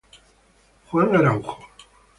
Juan Araújo